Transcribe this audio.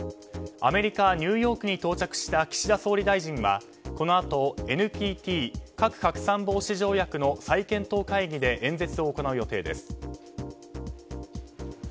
アメリカ・ニューヨークに到着した岸田総理大臣はこのあとＮＰＴ・核拡散防止条約の再検討会議で演説を行う予定です。